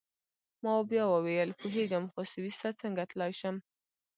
ما بیا وویل: پوهیږم، خو سویس ته څنګه تلای شم؟